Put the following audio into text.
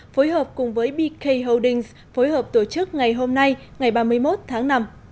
phối hợp cùng với bk holdings phối hợp tổ chức ngày hôm nay ngày ba mươi một tháng năm